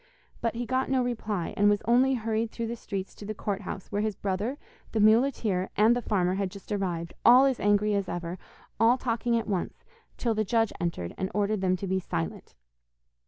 But he got no reply, and was only hurried through the streets to the court house, where his brother, the muleteer, and the farmer had just arrived, all as angry as ever, all talking at once, till the judge entered and ordered them to be silent.